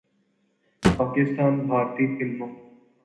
پاکستان، بھارتی فلموں